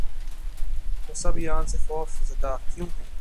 وہ سب ایران سے خوف زدہ کیوں ہیں؟